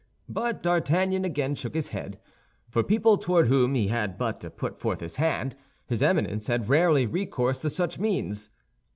But D'Artagnan again shook his head. For people toward whom he had but to put forth his hand, his Eminence had rarely recourse to such means.